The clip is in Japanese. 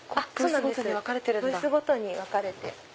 ブースごとに分かれてるんだ。